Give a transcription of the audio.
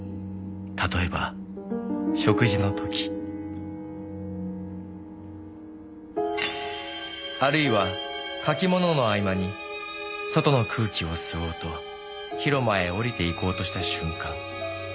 「譬えば食事の時」「あるいは書きものの合間に外の空気を吸おうと広間へ降りて行こうとした瞬間」